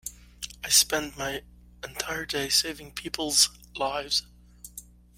I spend my entire day saving people's lives.